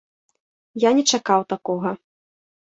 Я не чакаў такога.